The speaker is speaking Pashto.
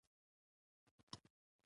د غنمو فصل سږ کال ډیر ښه شوی دی.